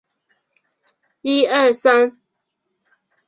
川黔石栎